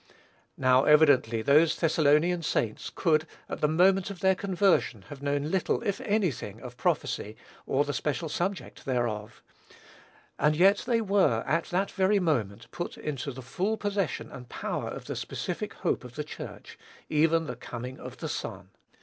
Now, evidently, those Thessalonian saints could, at the moment of their conversion, have known little, if any thing, of prophecy, or the special subject thereof; and yet they were, at that very moment, put into the full possession and power of the specific hope of the Church, even the coming of the Son.